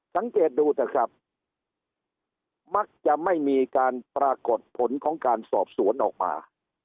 สังเกตดูเถอะครับมักจะไม่มีการปรากฏผลของการสอบสวนออกมา